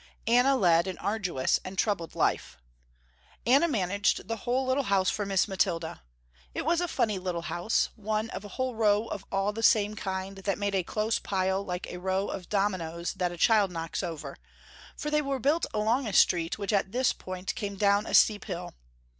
Anna led an arduous and troubled life. Anna managed the whole little house for Miss Mathilda. It was a funny little house, one of a whole row of all the same kind that made a close pile like a row of dominoes that a child knocks over, for they were built along a street which at this point came down a steep hill.